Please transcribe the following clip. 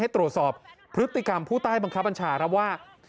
ตรวจสอบพฤติกรรมผู้ใต้บังคับบัญชาครับว่า